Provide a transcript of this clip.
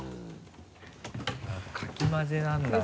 かき混ぜなんだな。